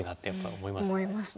思いますね。